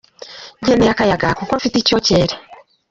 Nkeneye akayaga kuko mfite icyokere.